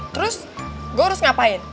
terus gue harus ngapain